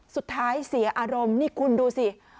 สุดท้ายเสียอารมณ์นี่คุณดูสิ